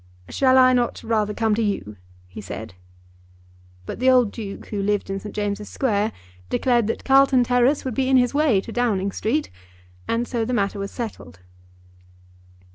"Shall I not rather come to you?" he said. But the old Duke, who lived in St. James's Square, declared that Carlton Terrace would be in his way to Downing Street; and so the matter was settled.